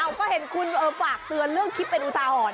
อ้าวก็เห็นคุณเอ้อฝากเตือนเรื่องคลิปเป็นอุทาหอน